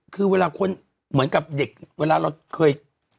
คือเวลาคนเหมือนกับเด็กเวลาเราเคย